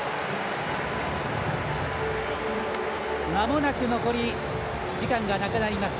まもなく残り時間なくなります。